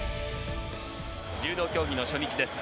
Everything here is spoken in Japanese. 柔道競技の初日です。